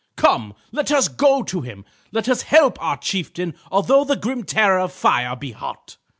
Come, let us go to him. Let us help our chieftain although the grim terror of fire be hot.